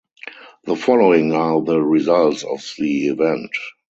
The following are the results of the event.